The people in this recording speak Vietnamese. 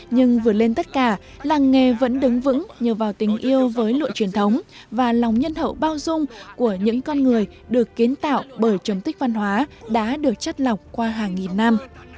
nhưng vừa lên tất cả làng nghề vẫn đứng vững nhờ vào tình yêu với lộ truyền thống và lòng nhân hậu bao dung của những con người được kiến tạo bởi chống tích văn hóa đã được chất lọc qua hàng nghìn năm